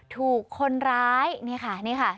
ถูกคนร้ายนี่ค่ะ